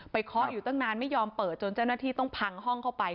เคาะอยู่ตั้งนานไม่ยอมเปิดจนเจ้าหน้าที่ต้องพังห้องเข้าไป